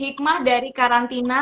hikmah dari karantina